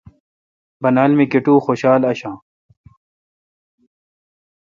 بانال می کٹو خوشال آݭآں۔